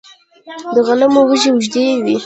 د غنمو وږی اوږد وي.